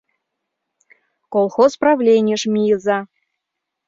— Колхоз правленийыш мийыза.